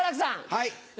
はい。